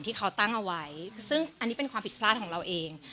ที่เขาตั้งเอาไว้ซึ่งอันนี้เป็นความผิดพลาดของเราเอง